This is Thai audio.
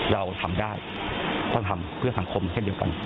เราทำได้ก็ทำเพื่อสังคมเช่นเดียวกัน